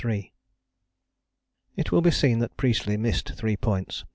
" It will be seen that Priestley missed three points.